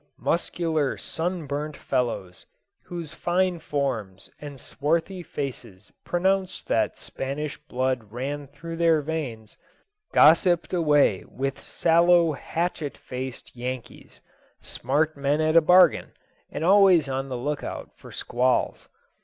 Muscular sun burnt fellows, whose fine forms and swarthy faces pronounced that Spanish blood ran through their veins, gossiped away with sallow hatchet faced Yankees, smart men at a bargain, and always on the lookout for squalls.